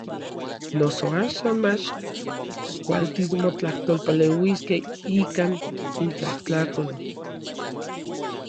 Noso axan mach kualtis motlajtolpaleuiskej ikan intlajtlakol.